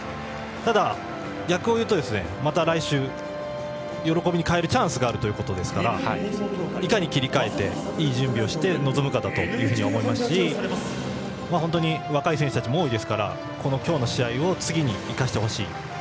ただ、逆を言うと、また来週喜びに変えるチャンスがあるということですからいかに切り替えていい準備をして臨むかだと思いますし若い選手たちも多いですから今日の試合を次に生かしてほしい。